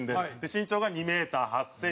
身長が２メーター８センチ。